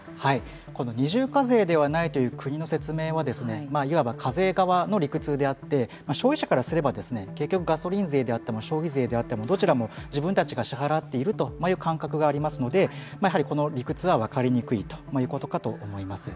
この二重課税ではないという国の説明はいわば課税側の理屈であって消費者からすれば結局ガソリン税であっても消費税であってもどちらも自分たちが支払っているという感覚がありますのでこの理屈は分かりにくいということかと思います。